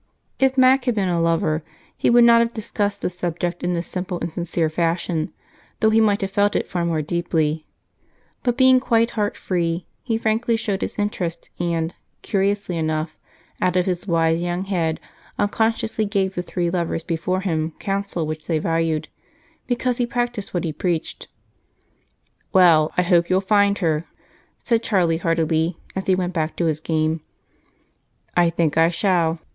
If Mac had been a lover, he would not have discussed the subject in this simple and sincere fashion, though he might have felt it far more deeply, but being quite heart free, he frankly showed his interest and, curiously enough, out of his wise young head unconsciously gave the three lovers before him counsel which they valued, because he practiced what he preached. "Well, I hope you'll find her!" said Charlie heartily as he went back to his game. "I think I shall."